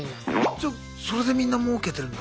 じゃそれでみんなもうけてるんだ。